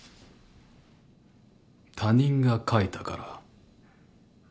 他人が書いたから。